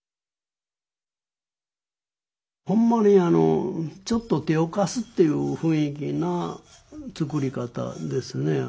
ほんまにちょっと手を貸すっていう雰囲気な作り方ですね。